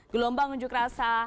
gelombang unjuk rasa